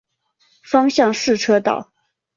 双向四车道。